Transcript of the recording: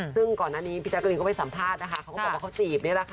ซึ่งก่อนหน้านี้พี่แจ๊กรีนก็ไปสัมภาษณ์นะคะเขาก็บอกว่าเขาจีบนี่แหละค่ะ